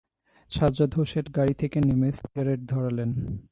সাজ্জাদ হোসেন গাড়ি থেকে নেমে সিগারেট ধরালেন।